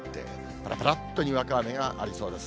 ぱらぱらっとにわか雨がありそうです。